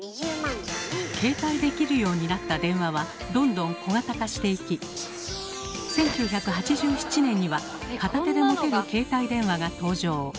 携帯できるようになった電話はどんどん小型化していき１９８７年には片手で持てる携帯電話が登場。